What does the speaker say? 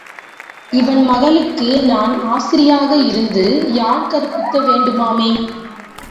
இவன் மகளுக்கு நான் ஆசிரியனாக இருந்து யாழ் கற்பிக்க வேண்டுமாமே?